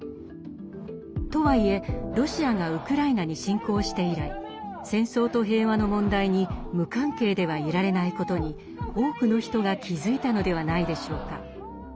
とはいえロシアがウクライナに侵攻して以来戦争と平和の問題に無関係ではいられないことに多くの人が気付いたのではないでしょうか。